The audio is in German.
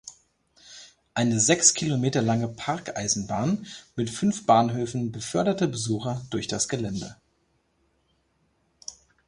Eine sechs Kilometer lange Parkeisenbahn mit fünf Bahnhöfen beförderte Besucher durch das Gelände.